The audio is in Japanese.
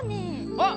あっ！